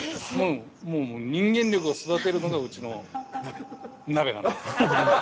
もう、人間力を育てるのがうちの鍋なんです。